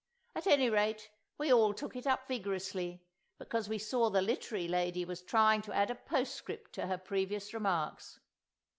At any rate we all took it up vigorously, because we saw the Literary Lady was trying to add a postscript to her previous remarks.